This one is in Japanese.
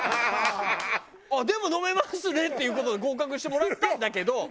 でも飲めますねっていう事で合格にしてもらったんだけど。